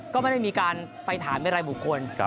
ก็ไม่ได้มีการไปถามเป็นรายบุคคล